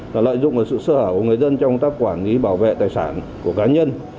và lợi dụng sự sơ hở của người dân trong công tác quản lý bảo vệ tài sản của cá nhân